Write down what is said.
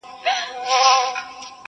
غرونه او فضا ورته د خپل درد برخه ښکاري،